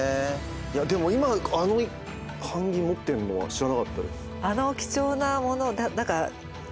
いやでも今あの版木持ってんのは知らなかったです。